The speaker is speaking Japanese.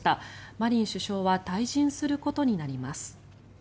マリン首相は退陣することになります。